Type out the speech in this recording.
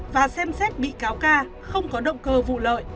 và xem xét bị cáo ca không có động cơ vụ lợi